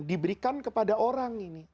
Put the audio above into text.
diberikan kepada orang ini